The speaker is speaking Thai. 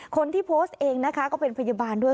คนที่โพสต์เองนะคะก็เป็นพยาบาลด้วย